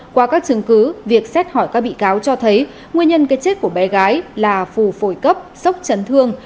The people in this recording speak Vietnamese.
qua các chứng cứ việc xét hỏi các bị cáo cho thấy nguyên nhân cái chết của bé gái là phù phổi cấp sốc chấn thương